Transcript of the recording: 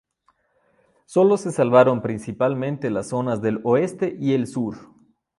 Solo se salvaron principalmente las zonas del oeste y el sur.